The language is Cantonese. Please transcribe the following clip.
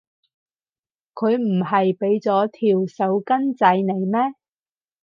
佢唔係畀咗條手巾仔你咩？